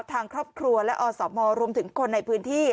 ทางครอบครัวและอสมรวมถึงคนในพื้นที่